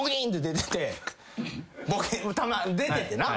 出ててな。